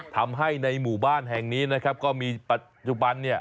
ทำให้ในหมู่บ้านแห่งนี้นะครับก็มีปัจจุบันเนี่ย